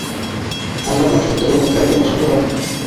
আল্লাহুপাক সত্য গোপনকারীকে পছন্দ করেন না।